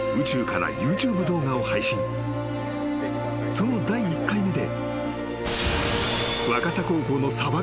［その第１回目で］